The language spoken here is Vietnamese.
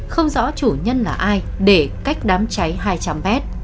không rõ chủ nhân là ai để cách đám trải hai trăm linh m